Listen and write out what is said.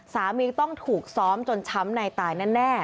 สามีต้องถูกซ้อมจนช้ำในตายแน่